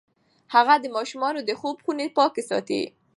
هغې د ماشومانو د خوب خونې پاکې ساتي.